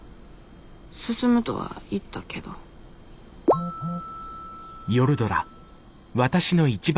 進むとは言ったけどふふっ。